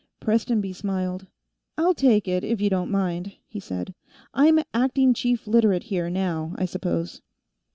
Prestonby smiled. "I'll take it, if you don't mind," he said. "I'm acting chief Literate here, now, I suppose."